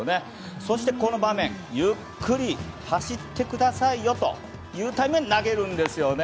そして、この場面走ってくださいよというタイミングで投げるんですよね。